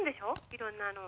☎いろんな。